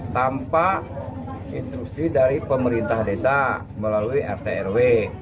tanpa instruksi dari pemerintah desa melalui rtrw